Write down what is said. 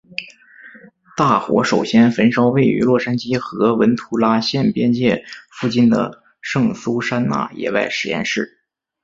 大火首先焚烧位于洛杉矶和文图拉县边界附近的圣苏珊娜野外实验室。